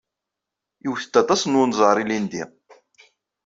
Iwet-d aṭas n unẓar, ilindi.